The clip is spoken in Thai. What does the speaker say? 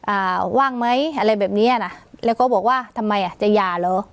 ว่างไหมอะไรแบบเนี้ยนะแล้วก็บอกว่าทำไมอ่ะจะหย่าเหรอ